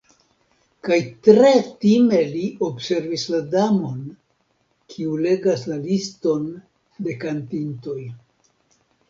Kaj tre time li observis la Damon, kiu legas la liston de kantintoj.